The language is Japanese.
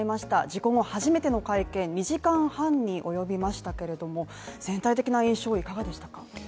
事故後初めての会見、２時間半に及びましたけれども全体的な印象、いかがでしたか。